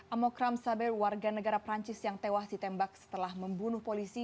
amokram saber warga negara perancis yang tewas ditembak setelah membunuh polisi